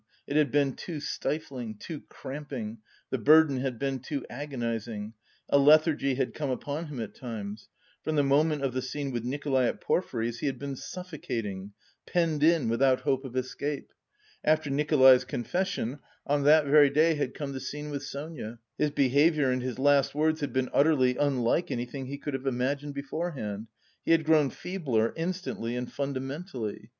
It had been too stifling, too cramping, the burden had been too agonising. A lethargy had come upon him at times. From the moment of the scene with Nikolay at Porfiry's he had been suffocating, penned in without hope of escape. After Nikolay's confession, on that very day had come the scene with Sonia; his behaviour and his last words had been utterly unlike anything he could have imagined beforehand; he had grown feebler, instantly and fundamentally!